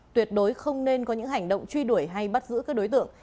tuyệt đối không nên có những hành động truy đuổi hay bắt giữ các đối tượng